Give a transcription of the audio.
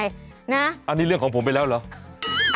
อันนี้เรื่องของผมไปแล้วเหรอ